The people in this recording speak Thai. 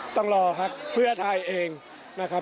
ต้องรอพักเพื่อไทยเองนะครับ